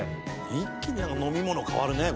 一気に飲み物変わるね！